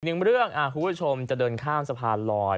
หนึ่งเรื่องคุณผู้ชมจะเดินข้ามสะพานลอย